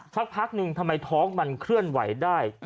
สักพักหนึ่งทำไมท้องมันเคลื่อนไหวได้